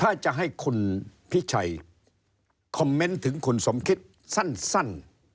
ถ้าจะให้คุณพิชัยคอมเมนต์ถึงคุณสมคิดสั้น